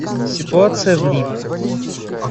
Ситуация в Ливии.